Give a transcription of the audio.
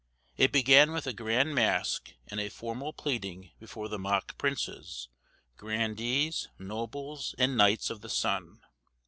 It began with a grand mask, and a formal pleading before the mock princes, grandees, nobles, and knights of the sun.